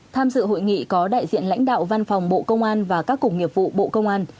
tham dự hội nghị có đại diện lãnh đạo văn phòng bộ công an và các cục nghiệp vụ bộ công an